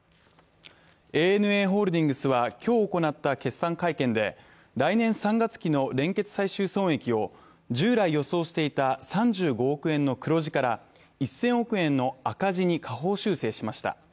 ＡＮＡホールディングスは今日行った決算会見で来年３月期の連結最終損益を従来予想していた３５億円の黒字から１０００億円の赤字に下方修正しました。